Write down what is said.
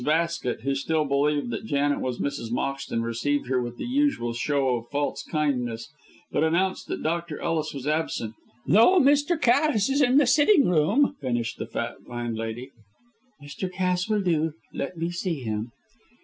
Basket who still believed that Janet was Mrs. Moxton received her with the usual show of false kindness, but announced that Dr. Ellis was absent. "Though Mr. Cass is in the sitting room," finished the fat landlady. "Mr. Cass will do. Let me see him."